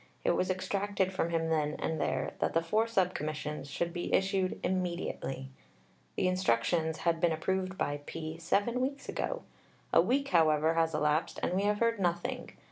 It was extracted from him then and there that the four Sub Commissions ... should be issued immediately. The Instructions had been approved by P. seven weeks ago. A week, however, has elapsed, and we have heard nothing.